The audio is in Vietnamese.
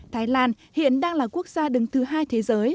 thái lan hiện đang là quốc gia đứng thứ hai thế giới